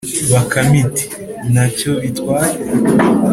“bakame iti:” nta cyo bitwaye,